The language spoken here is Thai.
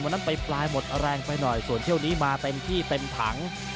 ไปปลายหมดแรงไปหน่อยส่วนเที่ยวนี้มาเต็มที่เต็มถัง